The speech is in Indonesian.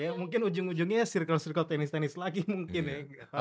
ya mungkin ujung ujungnya circle circle tenis tenis lagi mungkin ya